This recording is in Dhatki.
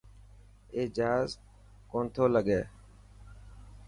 اي جهاز ڪو نٿو لگي.